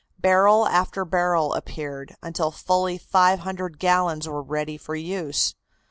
Barrel after barrel appeared, until fully five hundred gallons were ready for use.